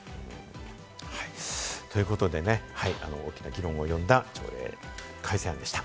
ということでね、大きな議論を呼んだ条例改正案でした。